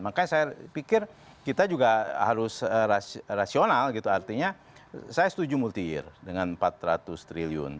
makanya saya pikir kita juga harus rasional gitu artinya saya setuju multi year dengan empat ratus triliun